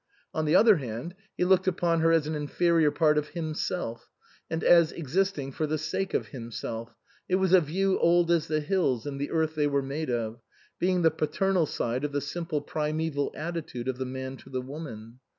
On the other hand, he looked upon her as an inferior part of Himself, and as existing for the sake of Himself ; it was a view old as the hills and the earth they were made of, being the paternal side of the simple primeval attitude of the man to the woman.